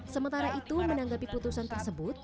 sementara itu menanggapi putusan tersebut